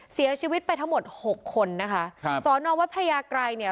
เสียชีวิตไปทั้งหมดหกคนนะคะครับสอนอวัดพระยากรัยเนี่ย